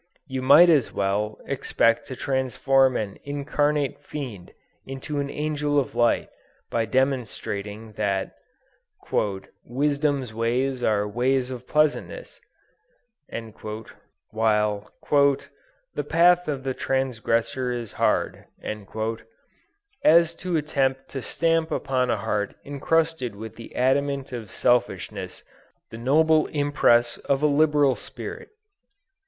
You might almost as well expect to transform an incarnate fiend into an angel of light, by demonstrating that "Wisdom's ways are ways of pleasantness," while "the path of the transgressor is hard," as to attempt to stamp upon a heart encrusted with the adamant of selfishness, the noble impress of a liberal spirit.